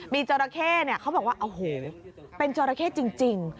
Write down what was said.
มีจราเข้เขาบอกว่าโอ้โหเป็นจราเข้จริง